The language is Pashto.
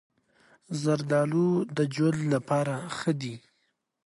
زردالو د جلد لپاره ښه دی.